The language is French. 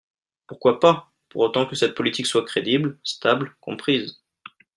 Pourquoi pas, pour autant que cette politique soit crédible, stable, comprise.